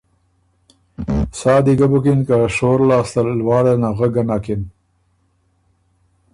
سا دی ګه بُکِن که شور لاسته ل لواړه نغک ګۀ نکن